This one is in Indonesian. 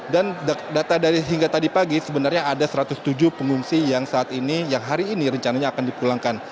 dan data dari hingga tadi pagi sebenarnya ada satu ratus tujuh pengungsi yang saat ini yang hari ini rencananya akan dipulangkan